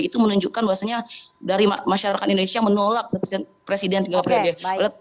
itu menunjukkan bahwasanya dari masyarakat indonesia menolak presiden tiga periode